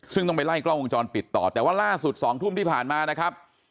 ซึ่งต้องไปไล่กล้องวงจรปิดต่อแต่ว่าล่าสุด๒ทุ่มที่ผ่านมานะครับ